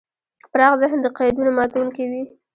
پراخ ذهن د قیدونو ماتونکی وي.